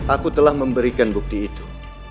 aku telah memberikan bukti itu